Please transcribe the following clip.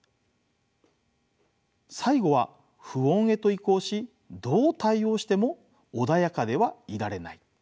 最後は不穏へと移行しどう対応しても穏やかではいられない。